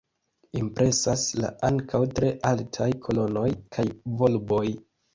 Impresas la ankaŭ tre altaj kolonoj kaj volboj.